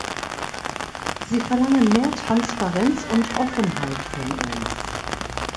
Sie verlangen mehr Transparenz und Offenheit von uns.